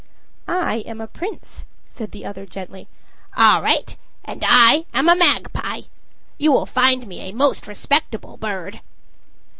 "I am a prince," said the other gently. "All right. And I am a magpie. You will find me a most respectable bird."